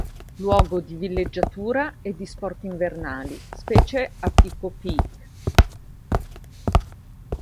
Luogo di villeggiatura e di sport invernali, specie a Pico Peak.